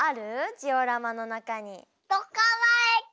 ジオラマのなかに。とかわえき。